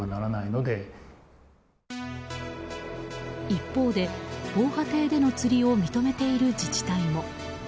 一方で、防波堤での釣りを認めている自治体も。